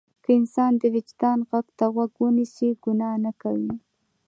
که انسان د وجدان غږ ته غوږ ونیسي ګناه نه کوي.